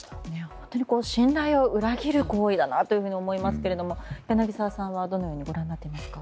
本当に信頼を裏切る行為だと思いますけれども柳澤さんはどのようにご覧になりますか。